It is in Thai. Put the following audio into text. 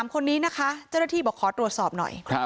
๓คนนี้นะคะเจ้าหน้าที่บอกขอตรวจสอบหน่อย